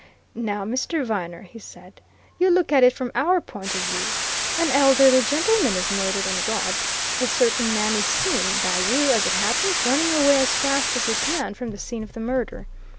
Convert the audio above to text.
"Now, Mr. Viner," he said, "you look at it from our point of view. An elderly gentleman is murdered and robbed. A certain man is seen by you, as it happens running away as fast as he can from the scene of the murder.